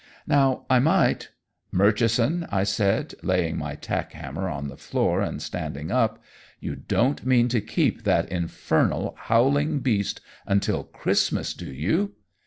Now, I might " "Murchison," I said, laying my tack hammer on the floor and standing up, "you don't mean to keep that infernal, howling beast until Christmas, do you?